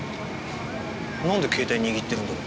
なんで携帯握ってるんだろう？